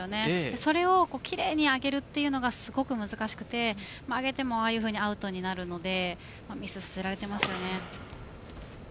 それを奇麗に上げてるっていうのがすごく難しくて上げてもアウトになるのでミスさせられていますね。